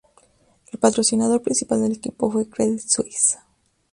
El patrocinador principal del equipo fue Credit Suisse.